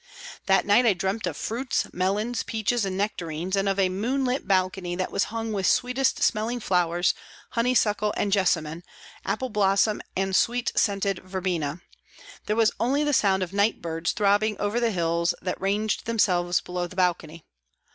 That night I dreamt of fruits, melons, peaches and nectarines, and of a moonlit balcony that was hung with sweetest smelling flowers, honeysuckle and jessamine, apple blossom and sweet scented verbena ; there was only the sound of night birds throbbing over the hills that ranged themselves below the balcony.